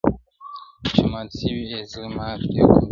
چی مات سوي یو زړه ماتي او کمزوري-